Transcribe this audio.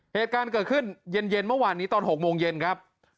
เหตุการณ์เกิดขึ้นเย็นเมื่อวานนี้ตอน๖โมงเย็นครับ